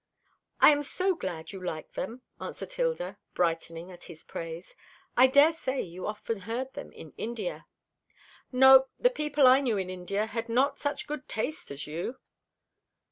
"I am so glad you like them," answered Hilda, brightening at his praise. "I daresay you often heard them in India." "No; the people I knew in India had not such good taste as you."